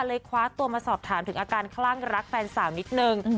คว้าตัวมาสอบถามถึงอาการคลั่งรักแฟนสาวนิดนึง